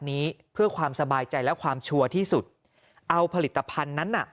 นี้เพื่อความสบายใจและความชัวร์ที่สุดเอาผลิตภัณฑ์นั้นน่ะ